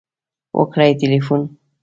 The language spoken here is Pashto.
.وکړئ تلیفون